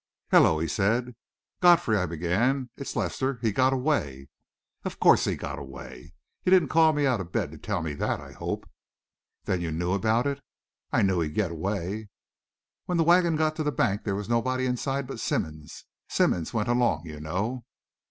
"Hello!" he said. "Godfrey," I began, "it's Lester. He got away." "Of course he got away. You didn't call me out of bed to tell me that, I hope?" "Then you knew about it?" "I knew he'd get away." "When the wagon got to the bank there was nobody inside but Simmonds. Simmonds went along, you know."